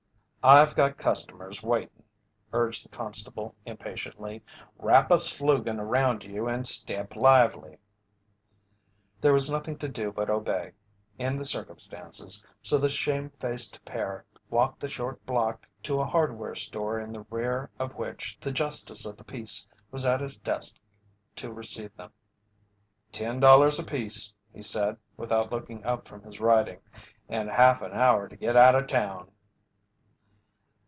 "I've got customers waitin'," urged the constable, impatiently. "Wrap a soogan around you and step lively." There was nothing to do but obey, in the circumstances, so the shame faced pair walked the short block to a hardware store in the rear of which the Justice of the Peace was at his desk to receive them. "Ten dollars apiece," he said, without looking up from his writing. "And half an hour to get out of town."